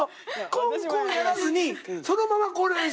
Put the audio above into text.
コンコンやらずにそのままこれですね